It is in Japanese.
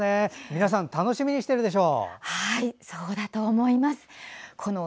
皆さん楽しみにしているでしょう。